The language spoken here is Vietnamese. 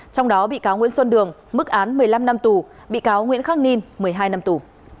trong đó bị cáo nguyễn xuân đường mức án một mươi năm năm tù bị cáo nguyễn khắc ninh một mươi hai năm tù